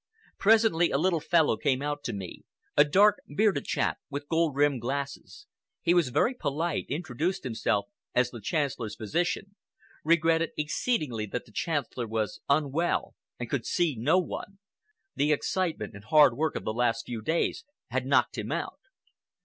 Presently a little fellow came out to me—a dark bearded chap with gold rimmed glasses. He was very polite, introduced himself as the Chancellor's physician, regretted exceedingly that the Chancellor was unwell and could see no one,—the excitement and hard work of the last few days had knocked him out.